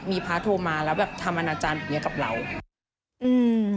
มีภาคโทรมาแล้วแบบทำอาญาจารย์ปัญญากับเราอืม